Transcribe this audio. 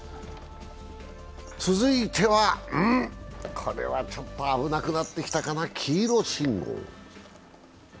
続いてはうん、これはちょっと危なくなってきたかな、黄色信号。